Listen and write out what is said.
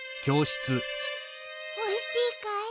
おいしいかい？